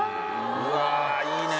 うわいいね。